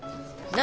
何？